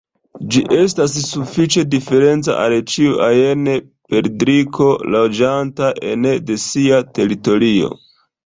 Ĝi estas sufiĉe diferenca al ĉiu ajn perdriko loĝanta ene de sia teritorio.